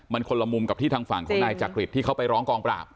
มันคนละมุมกับที่ทางฝั่งของนายจักริตที่เขาไปร้องกองปราบ